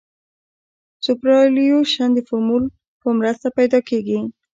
سوپرایلیویشن د فورمول په مرسته پیدا کیږي